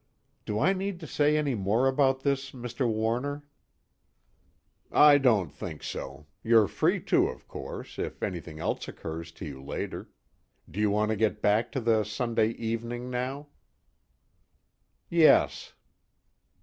_) "Do I need to say any more about this, Mr. Warner?" "I don't think so. You're free to of course, if anything else occurs to you later. Do you want to get back to the Sunday evening now?" "Yes."